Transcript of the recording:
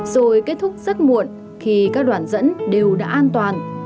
rồi kết thúc rất muộn khi các đoạn dẫn đều đã an toàn